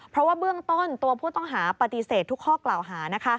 เพราะว่าเบื้องต้นตัวผู้ต้องหาปฏิเสธทุกข้อกล่าวหา